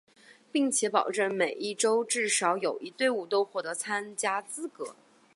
并且保证每一洲至少有一队伍都获得参加资格。